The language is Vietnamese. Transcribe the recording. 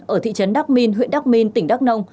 ở thị trấn đắk minh huyện đắk minh tỉnh đắk nông